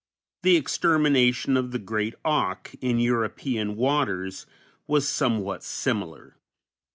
The extermination of the great auk in European waters was somewhat similar.